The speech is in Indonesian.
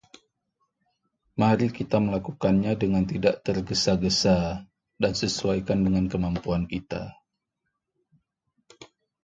Mari kita melakukannya dengan tidak tergesa-gesa dan sesuaikan dengan kemampuan kita.